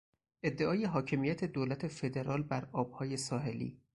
ادعای حاکمیت دولت فدرال بر آبهای ساحلی